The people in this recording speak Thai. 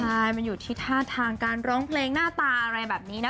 ใช่มันอยู่ที่ท่าทางการร้องเพลงหน้าตาอะไรแบบนี้นะ